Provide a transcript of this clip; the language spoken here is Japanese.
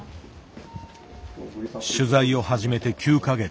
取材を始めて９か月。